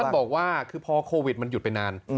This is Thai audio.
มันบอกว่าคือพอโควิดมันหยุดไปนาน